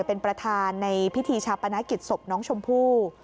เป็นประธานในพิธีชาปนกิจศพน้องชมพู่